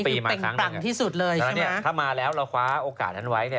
นี่คือเป็นปังที่สุดเลยใช่ไหมครับถ้ามาแล้วเราคว้าโอกาสนั้นไว้